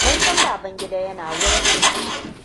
Mun san Babangida yana wurin.